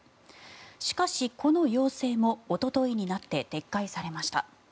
しかし、この要請もおとといになって撤回されました。